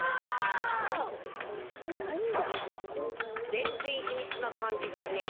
ぜんぜんひみつなかんじじゃねえ。